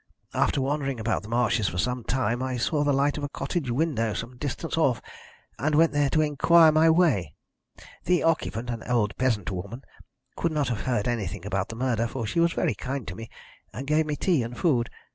After wandering about the marshes for some time I saw the light of a cottage window some distance off, and went there to inquire my way. The occupant, an old peasant woman, could not have heard anything about the murder, for she was very kind to me, and gave me tea and food.